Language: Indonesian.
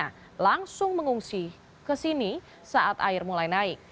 mereka langsung mengungsi ke sini saat air mulai naik